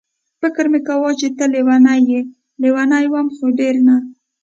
فکر مې کاوه چې ته لېونۍ یې، لېونۍ وم خو ډېره نه.